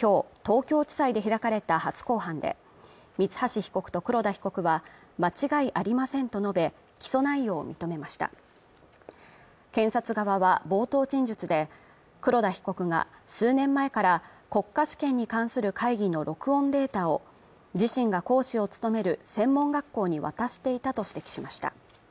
今日東京地裁で開かれた初公判で三橋被告と黒田被告は間違いありませんと述べ起訴内容を認めました検察側は冒頭陳述で黒田被告が数年前から国家試験に関する会議の録音データを自身が講師を務める専門学校に渡していたと指摘しました